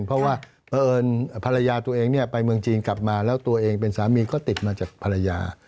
เพราะว่าเพราะเอิญภรรยาตัวเองเนี่ยไปเมืองจีนกลับมาแล้วตัวเองเป็นสามีก็ติดมาจากภรรยา